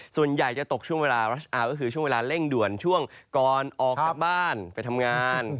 ส่วนใหญ่จะตกช่วงเวลารัชอาร์ก็คือช่วงเวลาเร่งด่วนช่วงก่อนออกจากบ้านไปทำงาน